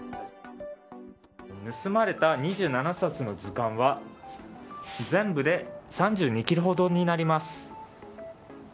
盗まれた２７冊の図鑑は全部で３２ｋｇほどになります。